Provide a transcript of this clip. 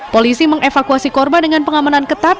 polisi mengevakuasi korban dengan pengamanan ketat